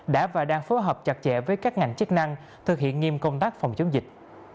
đã và đang phối hợp chặt chẽ với các ngành chức năng thực hiện nghiêm công tác phòng chống dịch